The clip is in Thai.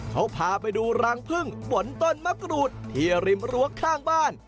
เขาพาไปดูรังพึ่งบนต้นมะกรูดที่ริมรั้วข้างบ้าน